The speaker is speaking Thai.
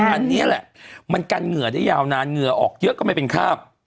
อันนี้แหละมันกันเหงื่อได้ยาวนานเหงื่อออกเยอะก็ไม่เป็นคาบ